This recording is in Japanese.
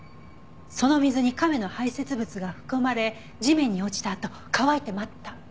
その水に亀の排泄物が含まれ地面に落ちたあと乾いて舞った。